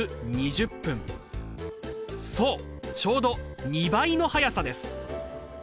そうちょうど２倍の速さです。